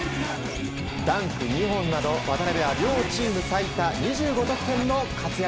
ダンク２本など渡邊は両チーム最多２５得点の活躍。